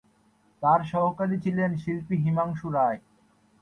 তার সহকারী ছিলেন শিল্পী হিমাংশু রায়।